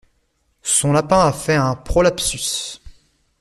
Son lapin a fait un prolapsus.